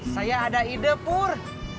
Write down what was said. saya ada ide pur